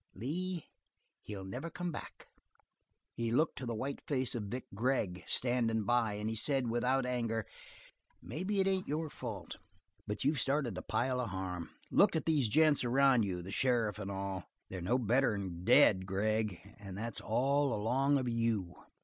Lee, he'll never come back." He looked to the white face of Vic Gregg, standing by, and he said without anger; "Maybe it ain't your fault, but you've started a pile of harm. Look at these gents around you, the sheriff and all they're no better'n dead, Gregg, and that's all along of you.